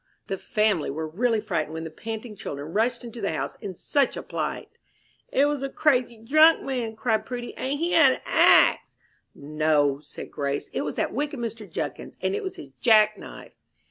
The family were really frightened when the panting children rushed into the house in such a plight. "It was a crazy drunk man," cried Prudy, "and he had a axe " "No," said Grace, "it was that wicked Mr. Judkins, and it was his jackknife."